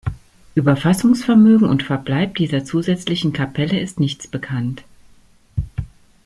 Über Fassungsvermögen und Verbleib dieser zusätzlichen Kapelle ist nichts bekannt.